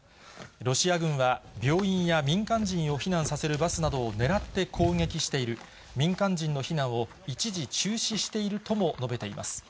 ロシア軍は、病院や民間人を避難させるバスなどを狙って攻撃している、民間人の避難を一時中止しているとも述べています。